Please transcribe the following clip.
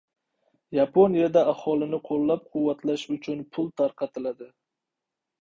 Yaponiyada aholini qo‘llab-quvvatlash uchun pul tarqatiladi